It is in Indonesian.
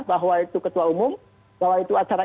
bahwa itu ketua umum bahwa itu acara